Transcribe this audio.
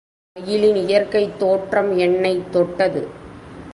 மயிலின் இயற்கைத் தோற்றம் என்னைத் தொட்டது.